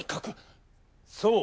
そう。